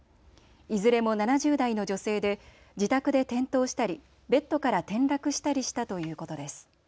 いずれも７０代の女性で自宅で転倒したりベッドから転落したりしたということです。